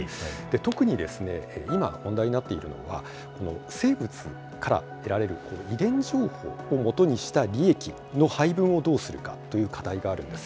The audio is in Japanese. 特に、今、問題になっているのは、生物から得られる遺伝情報を基にした利益の配分をどうするかという課題があるんです。